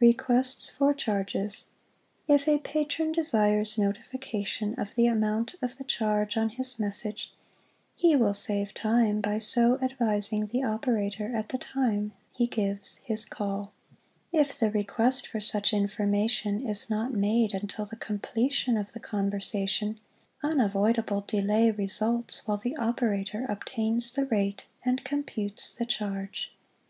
Requests for ChargesŌĆö If a patron desires notification of the amount of the charge on his message, he will save time by so advising the operator at the time he gives his call. If the request for such information is not made until the completion of the conversation, unavoidable delay results while the operator obtains the rate and computes the charge.